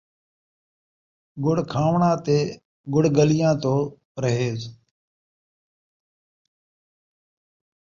ڳڑ کھاوݨاں تے ڳڑ گلیاں توں پرہیز